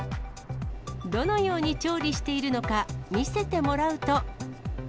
どのように調理しているのか見せてもらうと。